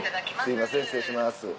すいません失礼します。